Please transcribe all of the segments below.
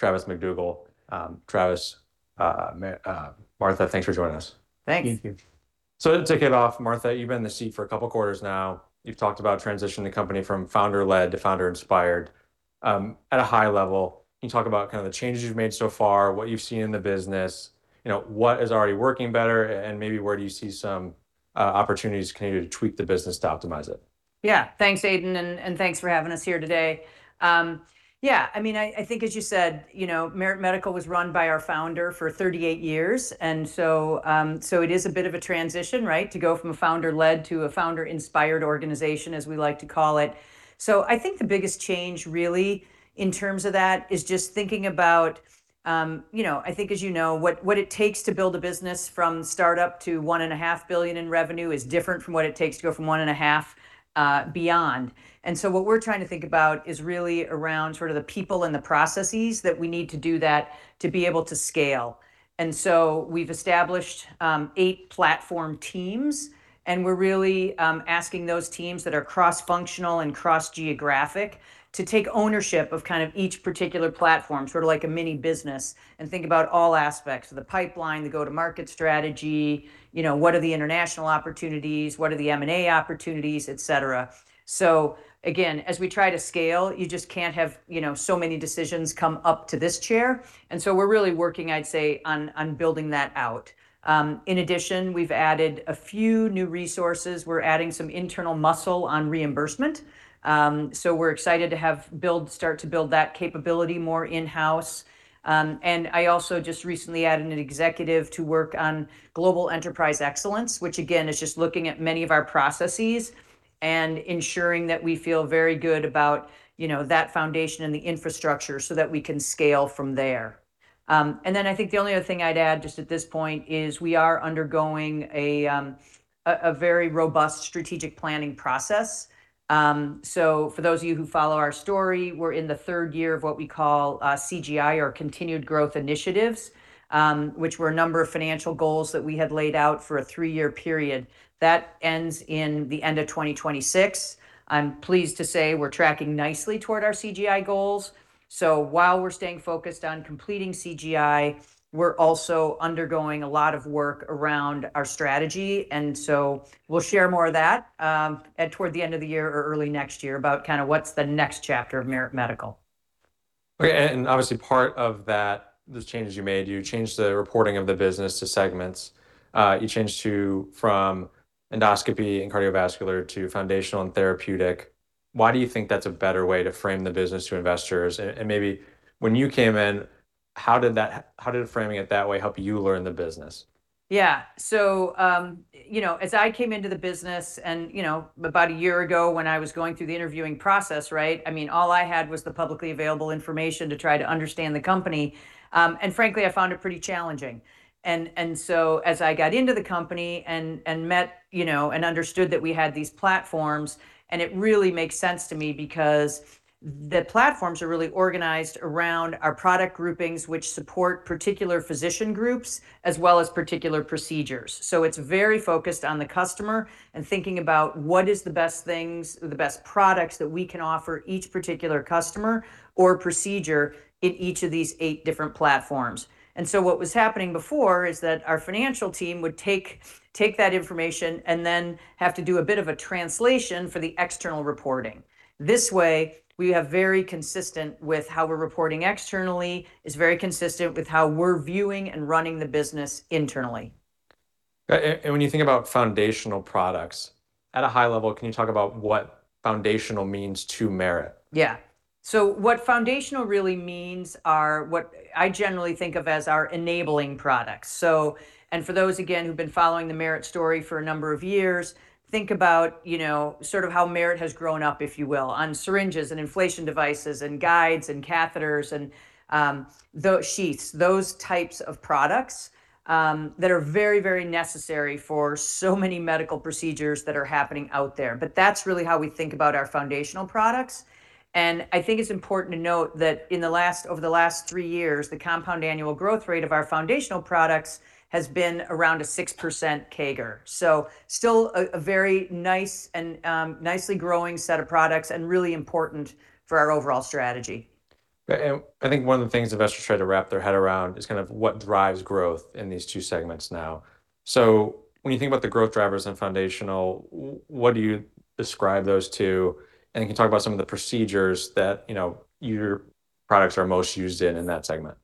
Travis McDougal. Travis, Martha, thanks for joining us. Thanks. Thank you. To kick it off, Martha, you've been in the seat for a couple quarters now. You've talked about transitioning the company from founder led to founder inspired. At a high level, can you talk about kinda the changes you've made so far, what you've seen in the business, you know, what is already working better, and maybe where do you see some opportunities can you tweak the business to optimize it? Yeah. Thanks, Aidan, and thanks for having us here today. Yeah, I mean, I think as you said, you know, Merit Medical was run by our founder for 38 years, and so it is a bit of a transition, right, to go from a founder-led to a founder-inspired organization, as we like to call it. I think the biggest change really in terms of that is just thinking about, you know, I think as you know, what it takes to build a business from startup to $1.5 billion in revenue is different from what it takes to go from $1.5 beyond. What we're trying to think about is really around the people and the processes that we need to do that to be able to scale. We've established eight platform teams, and we're really asking those teams that are cross-functional and cross-geographic to take ownership of kind of each particular platform, sort of like a mini business, and think about all aspects of the pipeline, the go-to-market strategy. You know, what are the international opportunities, what are the M&A opportunities, et cetera. Again, as we try to scale, you just can't have, you know, so many decisions come up to this chair, and so we're really working, I'd say, on building that out. In addition, we've added a few new resources. We're adding some internal muscle on reimbursement, so we're excited to start to build that capability more in-house. I also just recently added an executive to work on global enterprise excellence, which again, is just looking at many of our processes and ensuring that we feel very good about, you know, that foundation and the infrastructure so that we can scale from there. Then I think the only other thing I'd add just at this point is we are undergoing a very robust strategic planning process. For those of you who follow our story, we're in the third year of what we call CGI, or Continued Growth Initiatives, which were a number of financial goals that we had laid out for a three-year period. That ends in the end of 2026. I'm pleased to say we're tracking nicely toward our CGI goals. While we're staying focused on completing CGI, we're also undergoing a lot of work around our strategy. We'll share more of that, at toward the end of the year or early next year about kind of what's the next chapter of Merit Medical. Okay, obviously part of that, those changes you made, you changed the reporting of the business to segments. You changed to, from Endoscopy and Cardiovascular to Foundational and Therapeutic. Why do you think that's a better way to frame the business to investors? Maybe when you came in, how did framing it that way help you learn the business? Yeah. you know, as I came into the business and, you know, about a year ago when I was going through the interviewing process, right, I mean, all I had was the publicly available information to try to understand the company. Frankly, I found it pretty challenging. As I got into the company and met, you know, and understood that we had these platforms, and it really makes sense to me because the platforms are really organized around our product groupings which support particular physician groups as well as particular procedures. It's very focused on the customer, and thinking about what is the best things, the best products that we can offer each particular customer or procedure in each of these eight different platforms. What was happening before is that our financial team would take that information and then have to do a bit of a translation for the external reporting. This way, we are very consistent with how we're reporting externally, it's very consistent with how we're viewing and running the business internally. When you think about foundational products, at a high level, can you talk about what foundational means to Merit? Yeah. What foundational really means are what I generally think of as our enabling products. For those, again, who've been following the Merit story for a number of years, think about, you know, sort of how Merit has grown up, if you will, on syringes and inflation devices and guides and catheters and sheaths. Those types of products that are very, very necessary for so many medical procedures that are happening out there. That's really how we think about our foundational products, and I think it's important to note that in the last, over the last three years, the compound annual growth rate of our foundational products has been around a 6% CAGR. Still a very nice and nicely growing set of products and really important for our overall strategy. I think one of the things investors try to wrap their head around is kind of what drives growth in these two segments now. When you think about the growth drivers in foundational, what do you describe those two? You can talk about some of the procedures that, you know, your products are most used in that segment.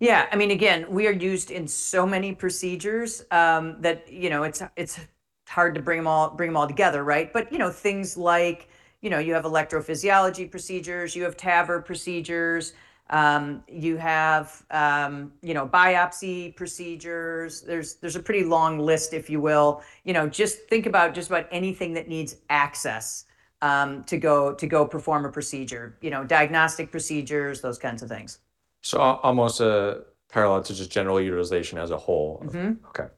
Yeah. I mean, again, we are used in so many procedures that, you know, it's hard to bring them all together, right? You know, things like, you know, you have electrophysiology procedures, you have TAVR procedures, you have, you know, biopsy procedures. There's a pretty long list, if you will. You know, just think about just about anything that needs access to go perform a procedure. You know, diagnostic procedures, those kinds of things. Almost a parallel to just general utilization as a whole. Okay.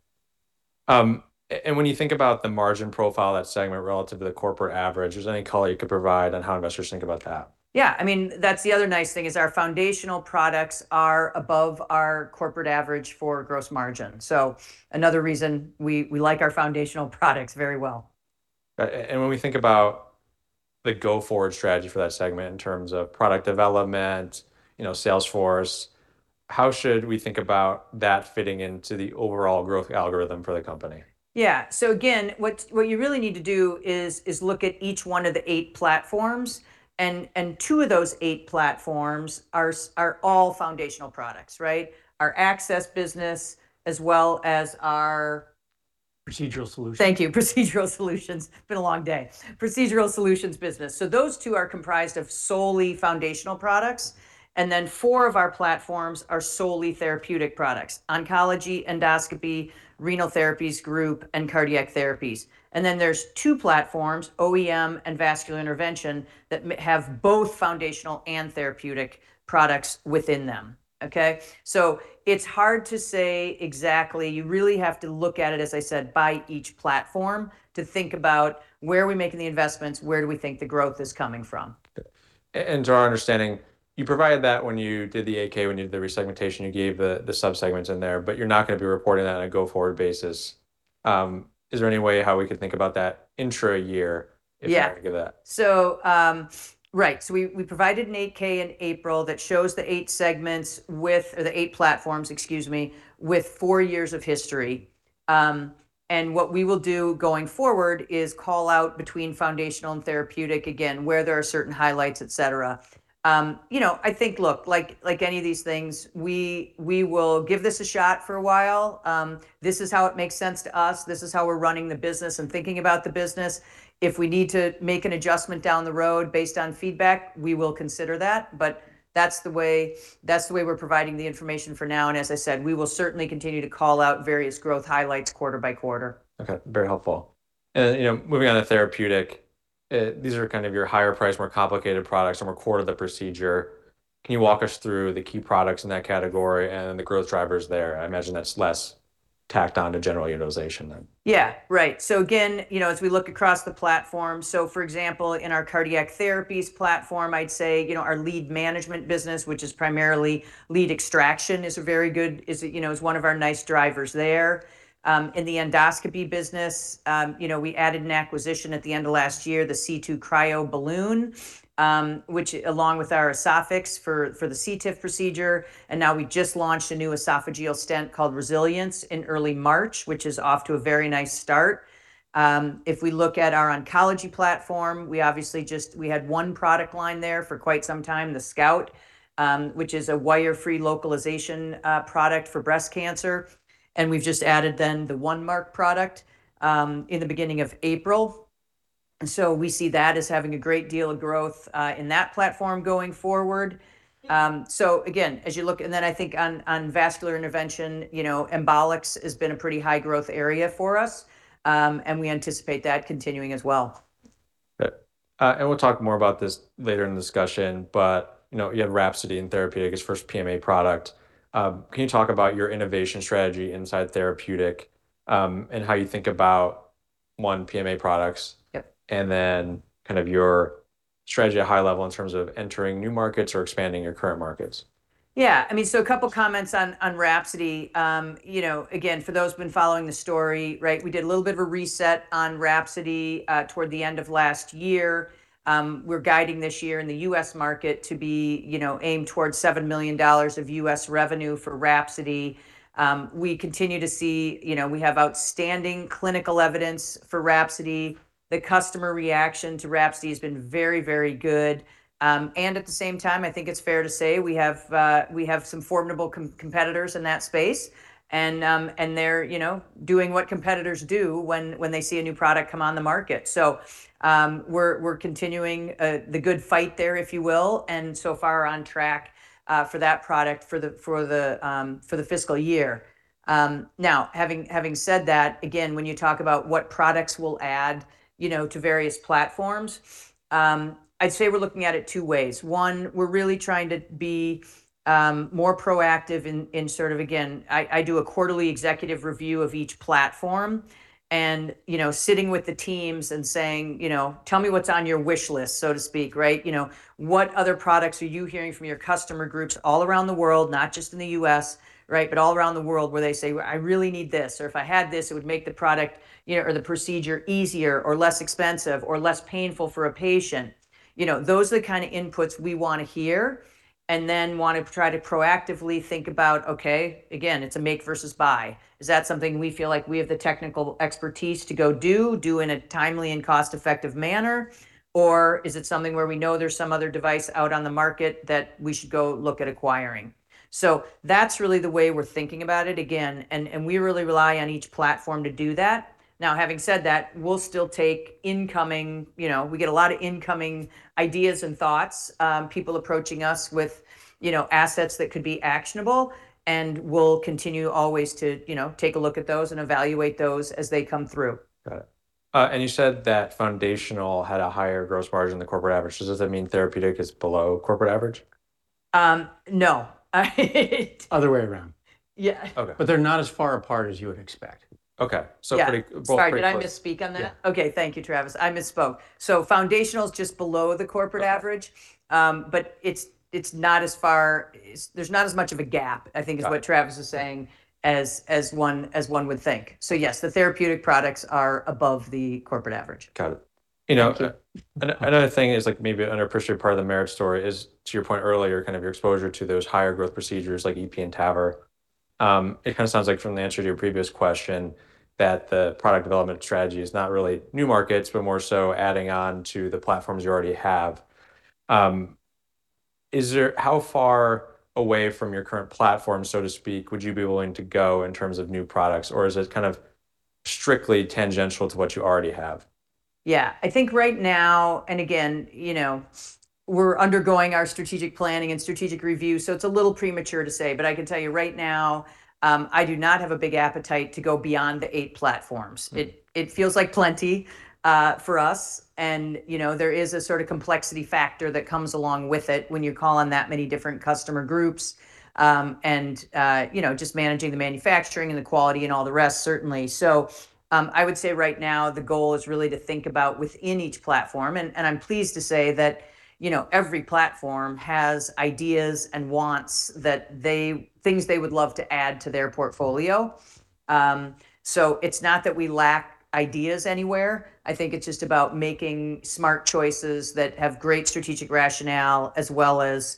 When you think about the margin profile of that segment relative to the corporate average, is there any color you could provide on how investors think about that? Yeah. I mean, that's the other nice thing is our foundational products are above our corporate average for gross margin. Another reason we like our foundational products very well. When we think about the go-forward strategy for that segment in terms of product development, you know, sales force, how should we think about that fitting into the overall growth algorithm for the company? Again, what you really need to do is look at each one of the eight platforms, and two of those eight platforms are all foundational products, right. Our access business as well as our? Procedural solutions. Thank you. Procedural solutions. Been a long day. Procedural solutions business. Those two are comprised of solely foundational products, and four of our platforms are solely therapeutic products: Oncology, Endoscopy, Renal Therapies Group, and Cardiac Therapies. There's two platforms, OEM and Vascular Intervention, that have both foundational and therapeutic products within them, okay? It's hard to say exactly. You really have to look at it, as I said, by each platform to think about where are we making the investments, where do we think the growth is coming from. To our understanding, you provided that when you did the 8-K, when you did the re-segmentation, you gave the sub-segments in there. You're not gonna be reporting that on a go-forward basis. Is there any way how we could think about that intra year? Yeah If you had to give that? Right. We provided an 8-K in April that shows the eight segments with, or the eight platforms, excuse me, with four years of history. What we will do going forward is call out between foundational and therapeutic again, where there are certain highlights, et cetera. You know, I think, look, like any of these things, we will give this a shot for a while. This is how it makes sense to us. This is how we're running the business and thinking about the business. If we need to make an adjustment down the road based on feedback, we will consider that, but that's the way we're providing the information for now. As I said, we will certainly continue to call out various growth highlights quarter-by-quarter. Okay. Very helpful. You know, moving on to therapeutic, these are kind of your higher priced, more complicated products, are more core to the procedure. Can you walk us through the key products in that category and the growth drivers there? I imagine that's less tacked on to general utilization then. Yeah, right. Again, you know, as we look across the platform, for example, in our cardiac therapies platform, I'd say, you know, our lead management business, which is primarily lead extraction, is a very good, is one of our nice drivers there. In the endoscopy business, you know, we added an acquisition at the end of last year, the C2 CryoBalloon, which along with our EsophyX for the cTIF procedure, now we just launched a new esophageal stent called Resilience in early March, which is off to a very nice start. If we look at our oncology platform, we obviously just, we had one product line there for quite some time, the SCOUT, which is a wire-free localization product for breast cancer, and we've just added then the OneMark product in the beginning of April. We see that as having a great deal of growth in that platform going forward. Again, as you look, I think on vascular intervention, you know, embolics has been a pretty high growth area for us, and we anticipate that continuing as well. Good. We'll talk more about this later in the discussion, but you know, you had WRAPSODY in therapeutic, its first PMA product. Can you talk about your innovation strategy inside therapeutic, and how you think about, one, PMA products? Yep Kind of your strategy at high level in terms of entering new markets or expanding your current markets? Yeah. I mean, a couple comments on WRAPSODY. You know, again, for those who've been following the story, we did a little bit of a reset on WRAPSODY toward the end of last year. We're guiding this year in the U.S. market to be, you know, aimed towards $7 million of U.S. revenue for WRAPSODY. We continue to see, you know, we have outstanding clinical evidence for WRAPSODY. The customer reaction to WRAPSODY has been very good. At the same time, I think it's fair to say we have some formidable competitors in that space, and they're, you know, doing what competitors do when they see a new product come on the market. We're continuing the good fight there, if you will, and so far are on track for that product for the fiscal year. Having said that, again, when you talk about what products we'll add, you know, to various platforms, I'd say we're looking at it two ways. One, we're really trying to be more proactive in sort of, again, I do a quarterly executive review of each platform and, you know, sitting with the teams and saying, you know, "Tell me what's on your wish list," so to speak, right? You know, what other products are you hearing from your customer groups all around the world, not just in the U.S., right, but all around the world, where they say, "I really need this," or, "If I had this, it would make the product, you know, or the procedure easier or less expensive or less painful for a patient." You know, those are the kind of inputs we wanna hear, and then wanna try to proactively think about, okay, again, it's a make versus buy. Is that something we feel like we have the technical expertise to go do in a timely and cost-effective manner, or is it something where we know there's some other device out on the market that we should go look at acquiring? That's really the way we're thinking about it again, and we really rely on each platform to do that. Having said that, we'll still take incoming, you know, we get a lot of incoming ideas and thoughts, people approaching us with, you know, assets that could be actionable, and we'll continue always to, you know, take a look at those and evaluate those as they come through. Got it. You said that foundational had a higher gross margin than corporate average. Does that mean therapeutic is below corporate average? No. Other way around. Yeah. Okay. They're not as far apart as you would expect. Okay. Yeah Both pretty close. Sorry, did I misspeak on that? Yeah. Okay. Thank you, Travis. I misspoke. Foundational is just below the corporate average. Okay. It's not as far, there's not as much of a gap, I think. Got it. is what Travis is saying, as one, as one would think. Yes, the therapeutic products are above the corporate average. Got it. You know, another thing is like maybe an underappreciated part of the Merit story is to your point earlier kind of your exposure to those higher growth procedures like EP and TAVR. It kind of sounds like from the answer to your previous question that the product development strategy is not really new markets, but more so adding on to the platforms you already have. How far away from your current platform, so to speak, would you be willing to go in terms of new products? Is it kind of strictly tangential to what you already have? Yeah, I think right now, and again, you know, we're undergoing our strategic planning and strategic review. It's a little premature to say. I can tell you right now, I do not have a big appetite to go beyond the eight platforms. It feels like plenty for us and, you know, there is a sort of complexity factor that comes along with it when you call on that many different customer groups, and, you know, just managing the manufacturing and the quality and all the rest certainly. I would say right now the goal is really to think about within each platform. I'm pleased to say that, you know, every platform has ideas and wants that things they would love to add to their portfolio. It's not that we lack ideas anywhere. I think it's just about making smart choices that have great strategic rationale as well as,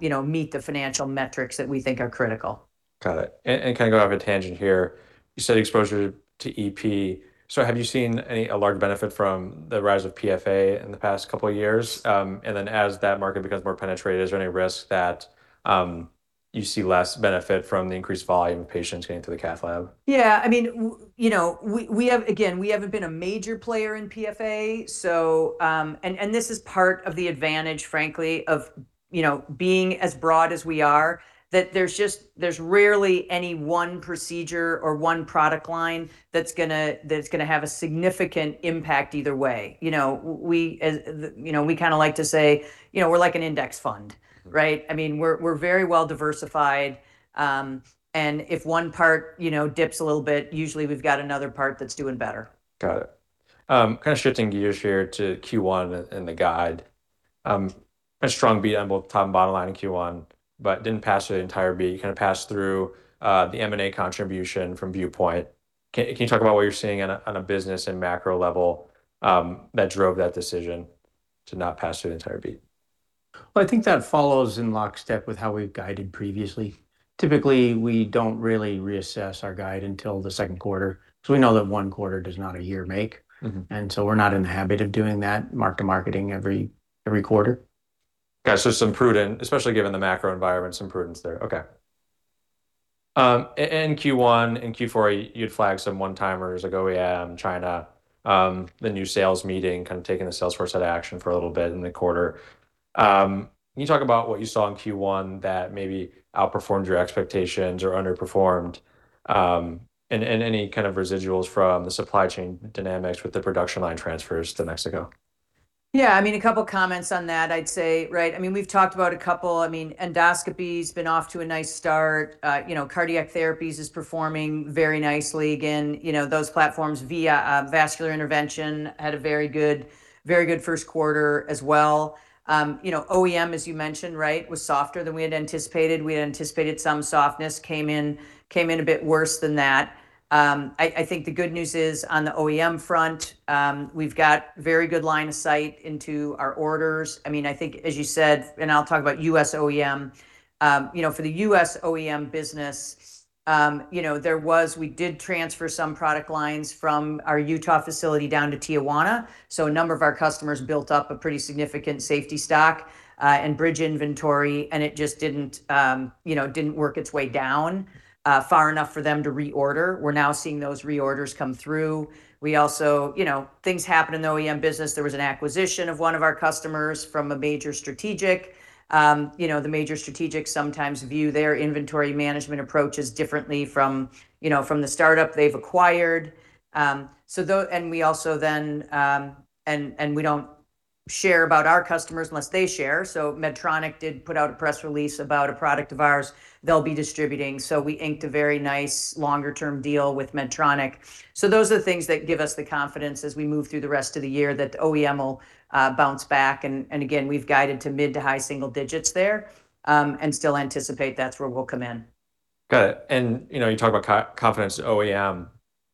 you know, meet the financial metrics that we think are critical. Got it. Kind of go off a tangent here. You said exposure to EP. Have you seen a large benefit from the rise of PFA in the past two years? As that market becomes more penetrated, is there any risk that you see less benefit from the increased volume of patients getting to the Cath lab? Yeah, I mean, you know, we have, we haven't been a major player in PFA. This is part of the advantage, frankly, of, you know, being as broad as we are, that there's rarely any one procedure or one product line that's gonna have a significant impact either way. You know, we as, you know, we kind of like to say, you know, we're like an index fund, right? I mean, we're very well diversified. If one part, you know, dips a little bit, usually we've got another part that's doing better. Got it. Kind of shifting gears here to Q1 and the guide, a strong beat on both top and bottom line in Q1, but didn't pass the entire beat. You kind of passed through the M&A contribution from View Point. Can you talk about what you're seeing on a business and macro level, that drove that decision to not pass through the entire beat? Well, I think that follows in lockstep with how we've guided previously. Typically, we don't really reassess our guide until the second quarter, so we know that one quarter does not a year make. We're not in the habit of doing that mark-to-marketing every quarter. Gotcha. Some prudent, especially given the macro environment, some prudence there. Okay. In Q1, in Q4 you'd flagged some one-timers like OEM, China, the new sales meeting kind of taking the sales force out of action for a little bit in the quarter. Can you talk about what you saw in Q1 that maybe outperformed your expectations or underperformed, and any kind of residuals from the supply chain dynamics with the production line transfers to Mexico? I mean, a couple of comments on that I'd say, right? I mean, we've talked about a couple. I mean, endoscopy's been off to a nice start. You know, cardiac therapies is performing very nicely. Again, you know, those platforms via vascular intervention had a very good first quarter as well. You know, OEM, as you mentioned, right, was softer than we had anticipated. We had anticipated some softness, came in a bit worse than that. I think the good news is on the OEM front, we've got very good line of sight into our orders. I mean, I think as you said, and I'll talk about U.S. OEM, you know, for the U.S. OEM business, you know, We did transfer some product lines from our Utah facility down to Tijuana, so a number of our customers built up a pretty significant safety stock, and bridge inventory, and it just didn't, you know, didn't work its way down far enough for them to reorder. We're now seeing those reorders come through. We also, you know, things happen in the OEM business. There was an acquisition of one of our customers from a major strategic. You know, the major strategic sometimes view their inventory management approaches differently from, you know, the startup they've acquired. We also don't share about our customers unless they share. Medtronic did put out a press release about a product of ours they'll be distributing. We inked a very nice longer-term deal with Medtronic. Those are the things that give us the confidence as we move through the rest of the year that the OEM will bounce back, again, we've guided to mid to high single digits there, and still anticipate that's where we'll come in. Got it. You know, you talk about confidence in OEM,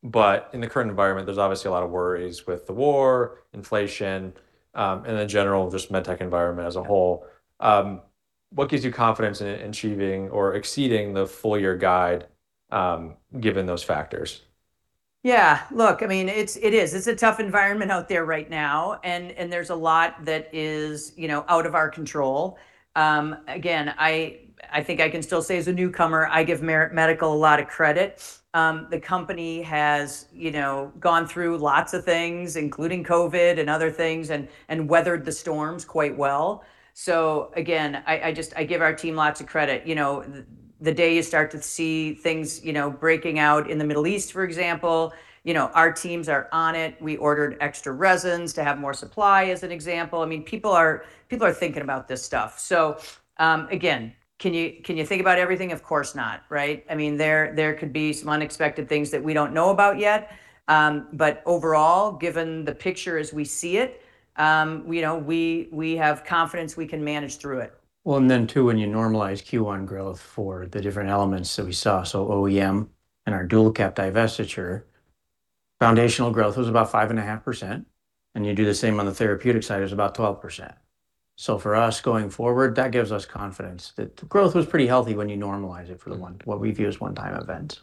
but in the current environment, there's obviously a lot of worries with the war, inflation, and the general just med tech environment as a whole. What gives you confidence in achieving or exceeding the full year guide, given those factors? Yeah. Look, I mean, it is. It's a tough environment out there right now and there's a lot that is, you know, out of our control. Again, I think I can still say as a newcomer, I give Merit Medical a lot of credit. The company has, you know, gone through lots of things, including COVID and other things, and weathered the storms quite well. Again, I just give our team lots of credit. You know, the day you start to see things, you know, breaking out in the Middle East, for example, you know, our teams are on it. We ordered extra resins to have more supply, as an example. I mean, people are thinking about this stuff. Again, can you think about everything? Of course not, right? I mean, there could be some unexpected things that we don't know about yet. Overall, given the picture as we see it, you know, we have confidence we can manage through it. When you normalize Q1 growth for the different elements that we saw, OEM, in our DualCap divestiture, foundational growth was about 5.5%, and you do the same on the therapeutic side, it was about 12%. For us going forward, that gives us confidence that the growth was pretty healthy when you normalize it. What we view as one time event.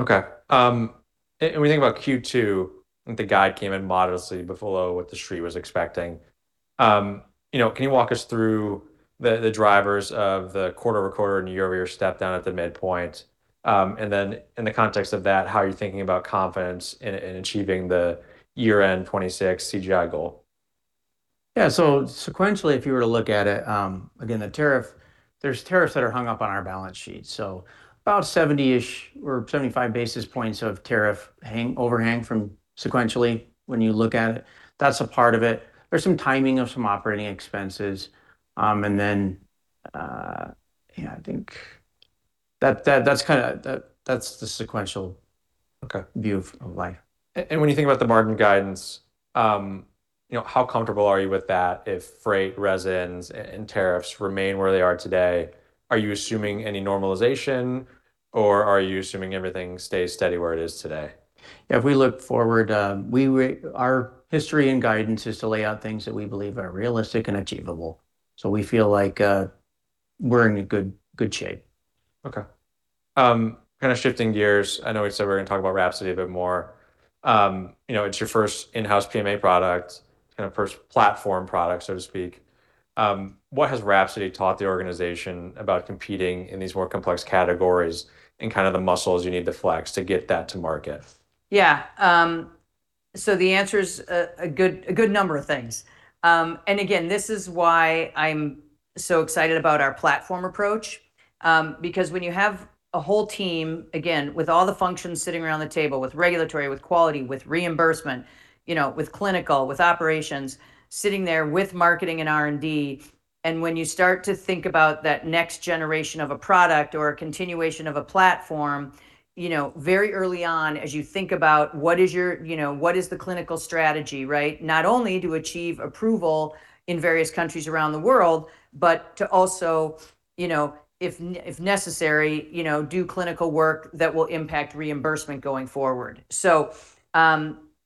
Okay. We think about Q2, the guide came in modestly below what the street was expecting. You know, can you walk us through the drivers of the quarter-over-quarter and year-over-year step down at the midpoint? In the context of that, how are you thinking about confidence in achieving the year-end 2026 CGI goal? Yeah. Sequentially, if you were to look at it, again, the tariff, there's tariffs that are hung up on our balance sheet. About 70-ish or 75 basis points of tariff overhang from sequentially when you look at it, that's a part of it. There's some timing of some operating expenses. Yeah, I think that's kind of the sequential. Okay View of life. When you think about the margin guidance, you know, how comfortable are you with that if freight, resins and tariffs remain where they are today? Are you assuming any normalization, or are you assuming everything stays steady where it is today? If we look forward, our history and guidance is to lay out things that we believe are realistic and achievable. We feel like we're in a good shape. Okay. Kinda shifting gears, I know we said we were gonna talk about WRAPSODY a bit more. You know, it's your first in-house PMA product, kinda first platform product, so to speak. What has WRAPSODY taught the organization about competing in these more complex categories, and kinda the muscles you need to flex to get that to market? Yeah. The answer's a good number of things. Again, this is why I'm so excited about our platform approach, because when you have a whole team, again, with all the functions sitting around the table with regulatory, with quality, with reimbursement, you know, with clinical, with operations, sitting there with marketing and R&D, when you start to think about that next generation of a product or a continuation of a platform, you know, very early on as you think about what is your, you know, what is the clinical strategy, right? Not only to achieve approval in various countries around the world, but to also, you know, if necessary, you know, do clinical work that will impact reimbursement going forward.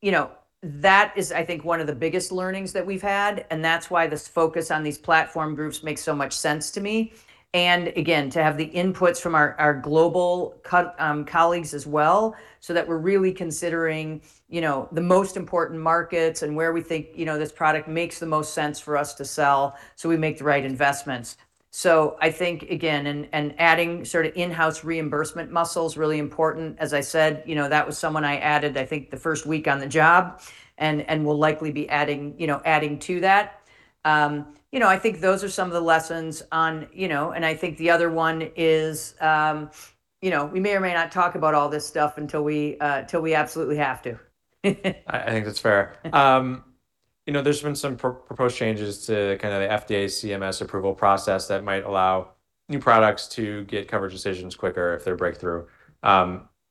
You know, that is, I think, one of the biggest learnings that we've had, and that's why this focus on these platform groups makes so much sense to me. Again, to have the inputs from our global colleagues as well so that we're really considering, you know, the most important markets and where we think, you know, this product makes the most sense for us to sell so we make the right investments. I think, again, and adding sort of in-house reimbursement muscles really important. As I said, you know, that was someone I added, I think, the first week on the job and we'll likely be adding to that. You know, I think those are some of the lessons on, you know, I think the other one is, you know, we may or may not talk about all this stuff till we absolutely have to. I think that's fair. You know, there's been some proposed changes to kinda the FDA CMS approval process that might allow new products to get coverage decisions quicker if they're breakthrough.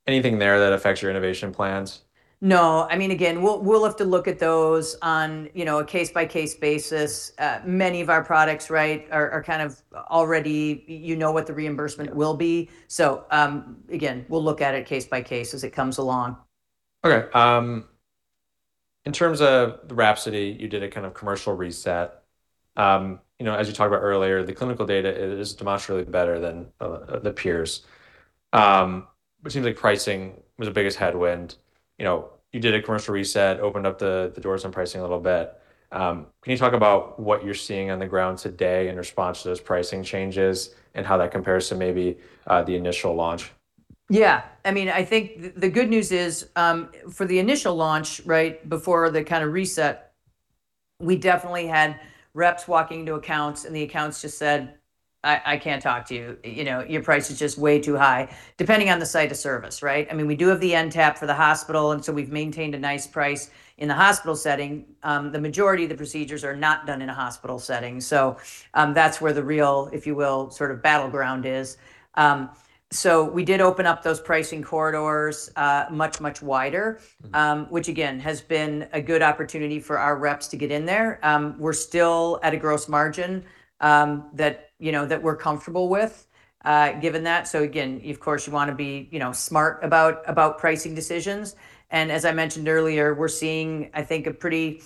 Anything there that affects your innovation plans? No. I mean, again, we'll have to look at those on, you know, a case-by-case basis. Many of our products, right, are kind of already you know what the reimbursement will be. Again, we'll look at it case-by-case as it comes along. In terms of the WRAPSODY, you did a kind of commercial reset. You know, as you talked about earlier, the clinical data is demonstrably better than the peers. It seems like pricing was the biggest headwind. You know, you did a commercial reset, opened up the doors on pricing a little bit. Can you talk about what you're seeing on the ground today in response to those pricing changes, and how that compares to maybe the initial launch? Yeah. I mean, I think the good news is, for the initial launch, right, before the kinda reset, we definitely had reps walking to accounts, and the accounts just said, "I can't talk to you know, your price is just way too high," depending on the site of service, right? I mean, we do have the NTAP for the hospital, we've maintained a nice price in the hospital setting. The majority of the procedures are not done in a hospital setting, that's where the real, if you will, sort of battleground is. We did open up those pricing corridors, much wider. Which again, has been a good opportunity for our reps to get in there. We're still at a gross margin, that, you know, that we're comfortable with, given that. Again, of course you wanna be, you know, smart about pricing decisions. As I mentioned earlier, we're seeing, I think, a pretty,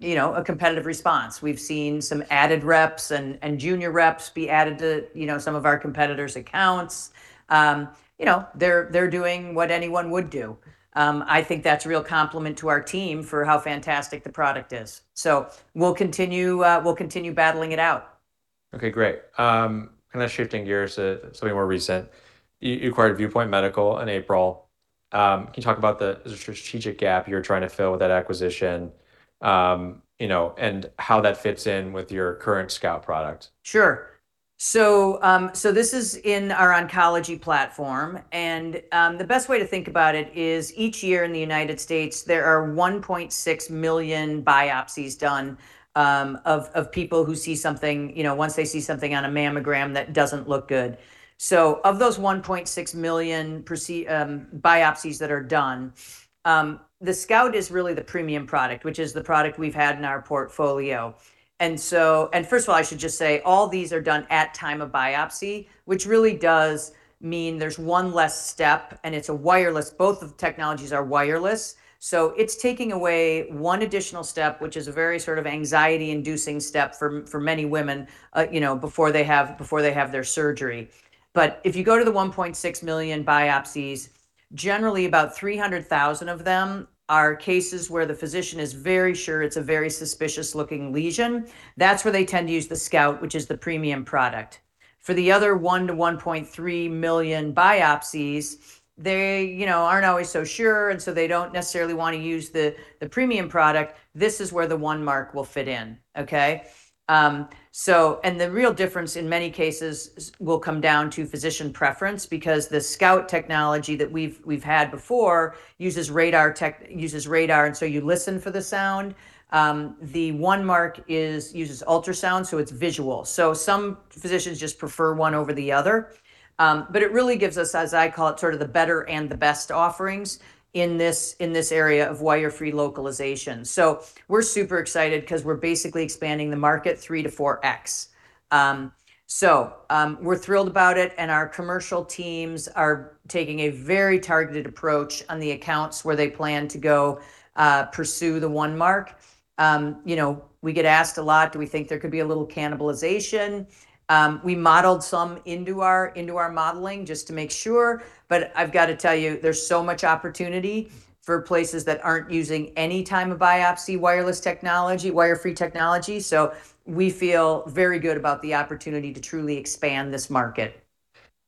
you know, a competitive response. We've seen some added reps and junior reps be added to, you know, some of our competitors' accounts. You know, they're doing what anyone would do. I think that's a real compliment to our team for how fantastic the product is. We'll continue battling it out. Okay. Great. Kind of shifting gears to something more recent. You acquired View Point Medical in April. Can you talk about the strategic gap you're trying to fill with that acquisition? You know, and how that fits in with your current SCOUT product. This is in our oncology platform. The best way to think about it is each year in the U.S. there are one point six million biopsies done of people who see something, you know, once they see something on a mammogram that doesn't look good. Of those one point six million biopsies that are done, the SCOUT is really the premium product, which is the product we've had in our portfolio. First of all, I should just say, all these are done at time of biopsy, which really does mean there's one less step, and it's a wireless. Both of the technologies are wireless. It's taking away one additional step, which is a very sort of anxiety-inducing step for many women, you know, before they have their surgery. If you go to the one point six million biopsies, generally about 300,000 of them are cases where the physician is very sure it's a very suspicious looking lesion. That's where they tend to use the SCOUT, which is the premium product. For the other one to one point three million biopsies, they, you know, aren't always so sure, they don't necessarily wanna use the premium product. This is where the OneMark will fit in. Okay. The real difference in many cases will come down to physician preference because the SCOUT technology that we've had before uses radar, you listen for the sound. The OneMark is, uses ultrasound, it's visual. Some physicians just prefer one over the other. But it really gives us, as I call it, sort of the better and the best offerings in this, in this area of wire-free localization. We're super excited 'cause we're basically expanding the market three to four times. We're thrilled about it, and our commercial teams are taking a very targeted approach on the accounts where they plan to go, pursue the OneMark. You know, we get asked a lot, do we think there could be a little cannibalization. We modeled some into our, into our modeling just to make sure, but I've gotta tell you, there's so much opportunity for places that aren't using any time of biopsy wireless technology, wire-free technology. We feel very good about the opportunity to truly expand this market.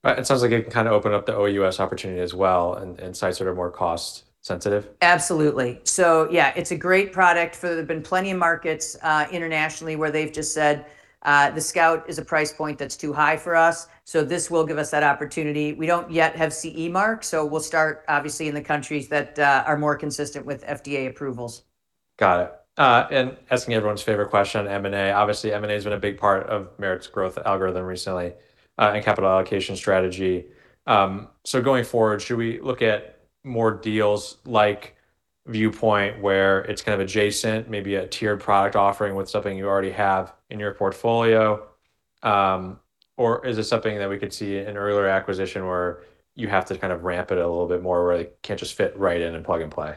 Right. It sounds like it can kind of open up the OUS opportunity as well and sites that are more cost sensitive. Absolutely. Yeah, it's a great product for There've been plenty of markets internationally where they've just said the SCOUT is a price point that's too high for us, so this will give us that opportunity. We don't yet have CE mark, so we'll start obviously in the countries that are more consistent with FDA approvals. Got it. Asking everyone's favorite question on M&A, obviously M&A has been a big part of Merit's growth algorithm recently, and capital allocation strategy. Going forward, should we look at more deals like View Point where it's kind of adjacent, maybe a tiered product offering with something you already have in your portfolio? Is it something that we could see in earlier acquisition where you have to kind of ramp it a little bit more where it can't just fit right in and plug and play?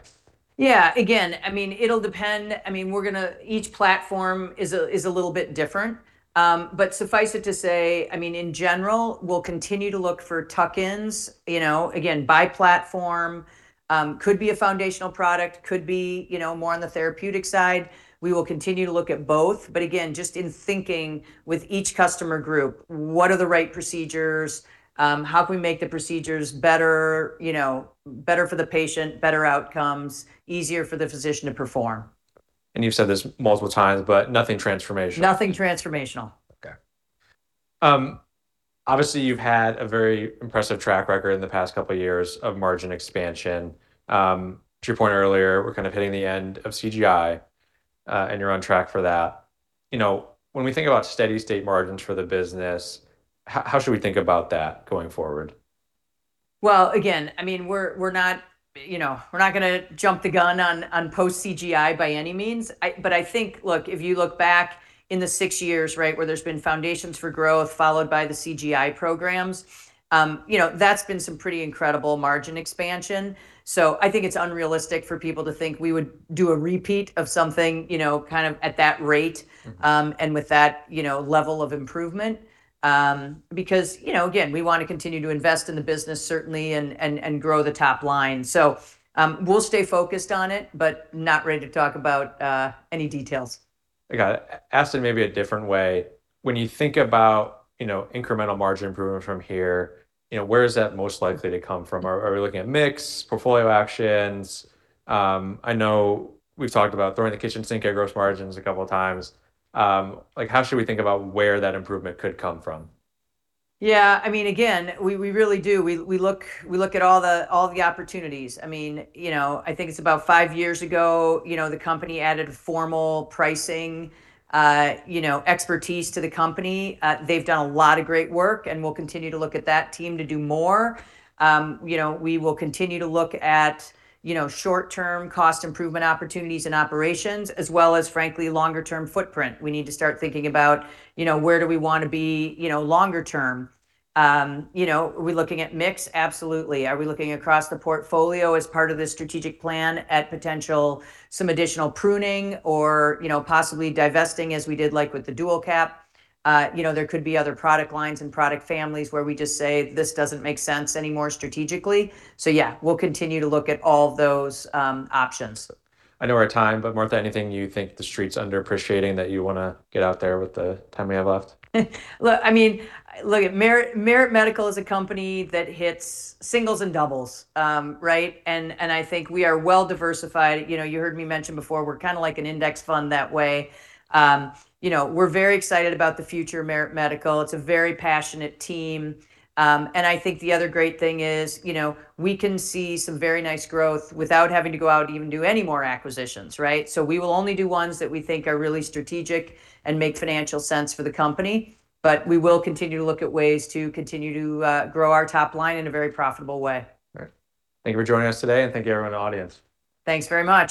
Yeah. Again, it'll depend. Each platform is a little bit different. Suffice it to say, in general, we'll continue to look for tuck-ins, you know, again, by platform. Could be a foundational product, could be, you know, more on the therapeutic side. We will continue to look at both. Again, just in thinking with each customer group, what are the right procedures? How can we make the procedures better, you know, better for the patient, better outcomes, easier for the physician to perform? You've said this multiple times, but nothing transformational. Nothing transformational. Okay. Obviously, you've had a very impressive track record in the past couple of years of margin expansion. To your point earlier, we're kind of hitting the end of CGI, you're on track for that. You know, when we think about steady state margins for the business, how should we think about that going forward? Again, I mean, we're not, you know, we're not gonna jump the gun on post CGI by any means. I think, look, if you look back in the six years, right, where there's been Foundations for Growth followed by the CGI programs, you know, that's been some pretty incredible margin expansion. I think it's unrealistic for people to think we would do a repeat of something, you know, kind of at that rate. With that, you know, level of improvement. You know, again, we want to continue to invest in the business certainly and grow the top line. We'll stay focused on it, but not ready to talk about, any details. I got it. Asking maybe a different way, when you think about, you know, incremental margin improvement from here, you know, where is that most likely to come from? Are we looking at mix, portfolio actions? I know we've talked about throwing the kitchen sink at gross margins a couple of times. Like, how should we think about where that improvement could come from? Yeah, I mean, again, we really do. We look at all the opportunities. I mean, you know, I think it's about five years ago, you know, the company added formal pricing, you know, expertise to the company. They've done a lot of great work, and we'll continue to look at that team to do more. You know, we will continue to look at, you know, short-term cost improvement opportunities and operations, as well as frankly, longer term footprint. We need to start thinking about, you know, where do we wanna be, you know, longer term. You know, are we looking at mix? Absolutely. Are we looking across the portfolio as part of the strategic plan at potential some additional pruning or, you know, possibly divesting as we did like with the DualCap? You know, there could be other product lines and product families where we just say, "This doesn't make sense anymore strategically." Yeah, we'll continue to look at all those options. I know our time, but Martha, anything you think the street's underappreciating that you wanna get out there with the time we have left? Look, I mean, Merit Medical is a company that hits singles and doubles. Right? I think we are well diversified. You know, you heard me mention before, we're kind of like an index fund that way. You know, we're very excited about the future of Merit Medical. It's a very passionate team. I think the other great thing is, you know, we can see some very nice growth without having to go out to even do any more acquisitions, right? We will only do ones that we think are really strategic and make financial sense for the company, but we will continue to look at ways to continue to grow our top line in a very profitable way. Right. Thank you for joining us today, and thank you everyone in the audience. Thanks very much.